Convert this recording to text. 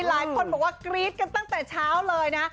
หลายคนบอกว่ากรี๊ดกันตั้งแต่เช้าเลยนะ